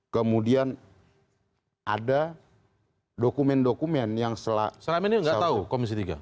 kemudian ada dokumen dokumen yang selama ini nggak tahu komisi tiga